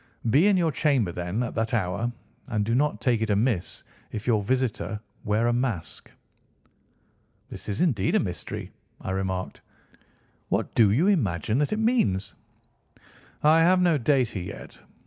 Be in your chamber then at that hour, and do not take it amiss if your visitor wear a mask." "This is indeed a mystery," I remarked. "What do you imagine that it means?" "I have no data yet.